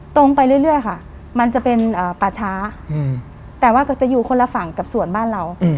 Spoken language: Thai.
ไปเรื่อยค่ะมันจะเป็นป่าช้าแต่ว่าก็จะอยู่คนละฝั่งกับส่วนบ้านเรา